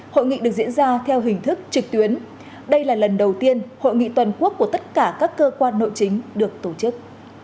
hội nghị được diễn ra theo hình thức trực tuyến đây là lần đầu tiên hội nghị toàn quốc của tất cả các cơ quan nội chính được tổ chức